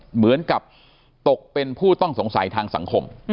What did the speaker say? เหมือนกับตกเป็นผู้ต้องสงสัยทางสังคม